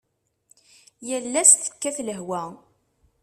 Yal ass tekkat lehwa.